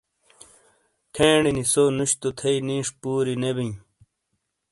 کھینی نی سو نُش تو تھیئ نِیش پُوری نے بِیں۔